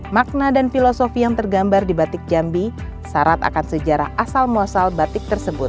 makna dan filosofi yang tergambar di batik jambi syarat akan sejarah asal muasal batik tersebut